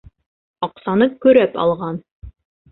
Аҡсаны көрәп алған.